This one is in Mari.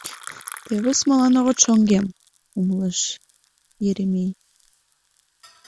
«Тевыс молан огыт шоҥгем! — умылыш Еремей.